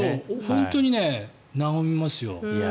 本当になごみますよ。